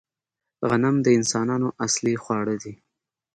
غنم د انسانانو اصلي خواړه دي